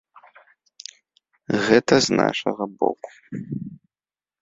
Гэта з нашага боку.